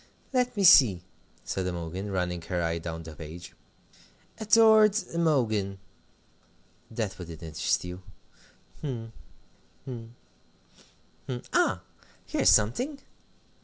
"Let me see," said Imogen, running her eye down the page. "'Adored Imogen' that wouldn't interest you hm, hm, hm ah, here's something!